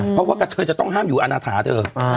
เพราะว่ากระเทยจะต้องห้ามอยู่อาณาถาเธอ